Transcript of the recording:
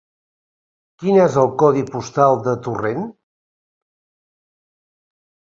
Quin és el codi postal de Torrent?